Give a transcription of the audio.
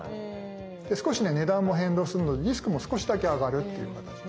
で少しね値段も変動するのでリスクも少しだけ上がるっていう形に。